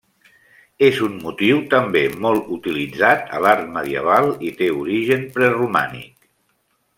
És un motiu també molt utilitzat a l'art medieval i té origen preromànic.